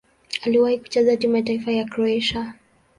Aliwahi kucheza timu ya taifa ya Kroatia.